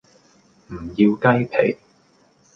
唔要雞皮